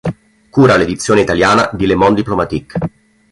Cura l'edizione italiana di Le Monde diplomatique.